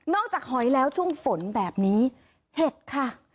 จากหอยแล้วช่วงฝนแบบนี้เห็ดค่ะ